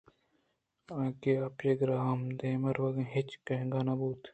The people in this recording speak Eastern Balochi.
کہ آپی گُراب پہک دیم ءِ رَوَگ ءِ ہچ گیگاں نہ بُوت